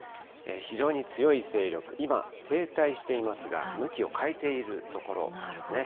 非常に強い勢力、今、停滞していますが、向きを変えているところですね。